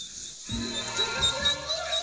私はキラ。